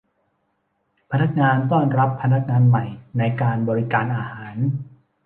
พนักงานต้อนรับพนักงานใหม่ในการบริการอาหาร